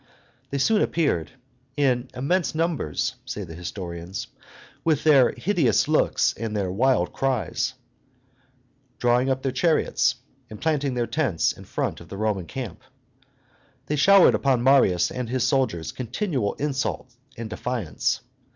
They soon appeared "in immense numbers," say the historians, "with their hideous looks and their wild cries," drawing up their chariots and planting their tents in front of the Roman camp. They showered upon Marius and his soldiers continual insult and defiance.